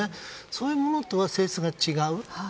そういうものとは性質が違う。